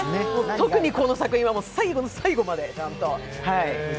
特に、この作品は最後の最後までちゃんと。